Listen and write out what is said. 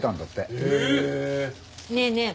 ねえねえ